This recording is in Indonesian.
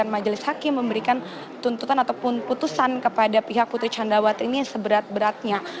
majelis hakim memberikan tuntutan ataupun putusan kepada pihak putri candrawati ini seberat beratnya